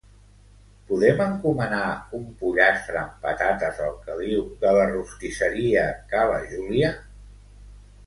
Podem encomanar un pollastre amb patates al caliu de la Rostisseria Ca La Júlia?